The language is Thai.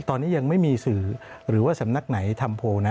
ตอนนี้ยังไม่มีสื่อหรือว่าสำนักไหนทำโพลนะ